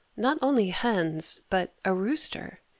Not only hens, but a rooster.